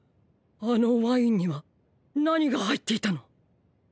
あのワインには何が入っていたの？